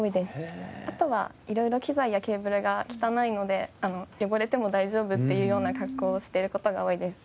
あとは色々機材やケーブルが汚いので汚れても大丈夫っていうような格好をしてる事が多いです。